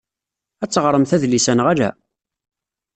Ad teɣṛemt adlis-a neɣ ala?